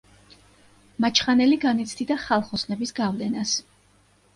მაჩხანელი განიცდიდა ხალხოსნების გავლენას.